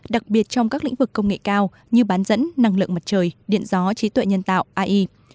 đặc biệt trong các lĩnh vực công nghệ cao như bán dẫn năng lượng mặt trời điện gió trí tuệ nhân tạo ai